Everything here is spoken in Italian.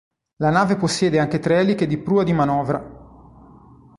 La nave possiede anche tre eliche di prua di manovra.